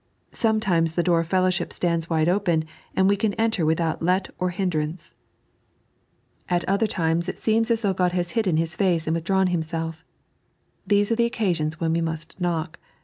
Sometimes the door of fellowship stands wide open, and we can enter without let or hindrance. At other times it seems as 3.n.iized by Google 176 The Royalty op oue Life. though God had hidden His face and withdrawn Himself. These are the occasions when we must knock.